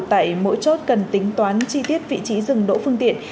tại mỗi chốt cần tính toán chi tiết vị trí dừng đỗ phương tiện